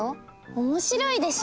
おもしろいでしょ。